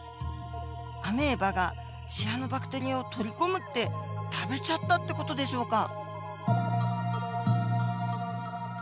アメーバがシアノバクテリアを取り込むって食べちゃったって事でしょうか。